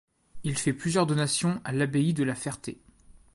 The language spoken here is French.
Il fait plusieurs donations à l'Abbaye de La Ferté.